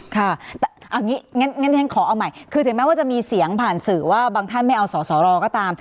ค่ะเอาอย่างนี้งั้นขอเอาใหม่คือถึงแม้ว่าจะมีเสียงผ่านสื่อว่าบางท่านไม่เอาสอสอรอก็ตาม